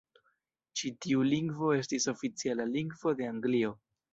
Ĉi tiu lingvo estis oficiala lingvo de Anglio.